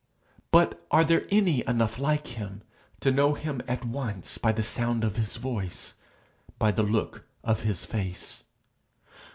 But are there any enough like him to know him at once by the sound of his voice, by the look of his face.